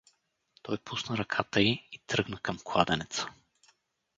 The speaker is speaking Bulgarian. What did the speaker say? Той пусна ръката й и тръгна към кладенеца.